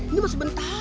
ini masih bentar